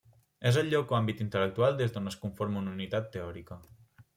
És el lloc o àmbit intel·lectual des d'on es conforma una unitat teòrica.